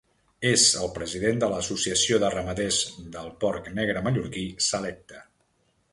És el president de l'Associació de Ramaders del Porc Negre Mallorquí Selecte.